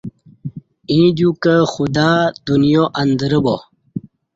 ییں دیوکں خدا دنیا اندرہ با